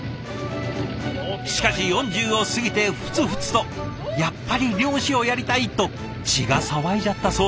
しかし４０を過ぎてふつふつとやっぱり漁師をやりたい！と血が騒いじゃったそうで。